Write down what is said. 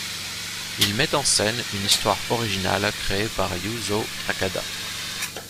Il met en scène une histoire originale créée par Yūzō Takada.